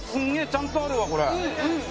ちゃんとあるわこれ。